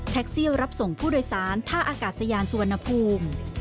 แท็กซี่รับส่งผู้โดยสารท่าอากาศยานสวนภูมิ